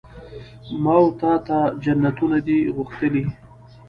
ما وتا ته جنتونه دي غوښتلي